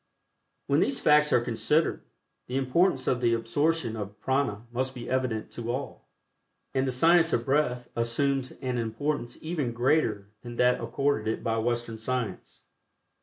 When these facts are considered, the importance of the absorption of Prana must be evident to all, and the Science of Breath assumes an importance even greater than that accorded it by Western science.